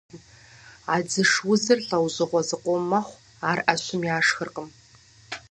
Андзыш удзыр лӏэужьыгъуэ зыкъом мэхъу, ар ӏэщым яшхыркъым.